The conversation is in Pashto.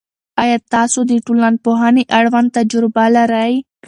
آیا تاسو د ټولنپوهنې اړوند تجربه لرئ؟